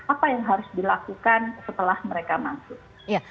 apa yang harus dilakukan setelah mereka masuk